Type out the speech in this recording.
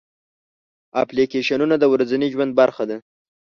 اپلیکیشنونه د ورځني ژوند برخه ده.